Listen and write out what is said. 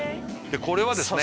これはですね